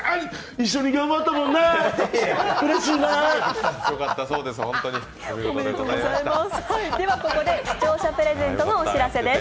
一緒に頑張ったもんな、うれしいなここで視聴者プレゼントのお知らせです。